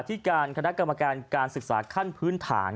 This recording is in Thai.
ที่การคณะกรรมการการศึกษาขั้นพื้นฐาน